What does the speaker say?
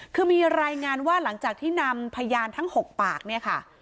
คือมีรายงานว่าหลังจากที่นำพยานทั้ง๖ปากเนี่ยค่ะ